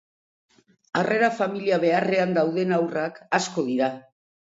Harrera familia beharrean dauden haurrak asko dira.